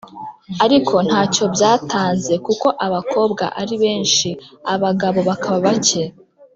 ariko ntacyo byatanze kuko abakobwa ari benshi abagabo bakaba bake.